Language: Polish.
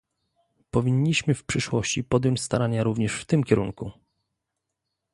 Powinniśmy w przyszłości podjąć starania również w tym kierunku